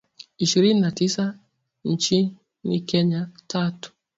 ishirini na tisa nchini Kenya, tatu